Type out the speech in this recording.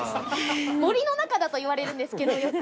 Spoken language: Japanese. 森の中だと言われるんですけどよく。